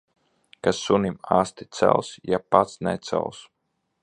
Kas sunim asti cels, ja pats necels.